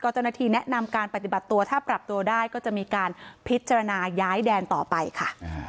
เจ้าหน้าที่แนะนำการปฏิบัติตัวถ้าปรับตัวได้ก็จะมีการพิจารณาย้ายแดนต่อไปค่ะ